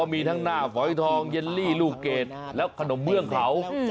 มีทั้งหน้าฝอยทองเย็นลี่ลูกเกดแล้วขนมเบื้องเขา